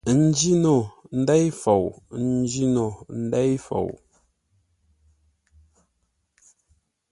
N njîno ndêi fou, n njîno ndêi fou.